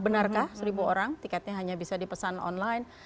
benarkah seribu orang tiketnya hanya bisa dipesan online